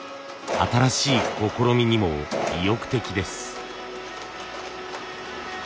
新しい試みにも意欲的です。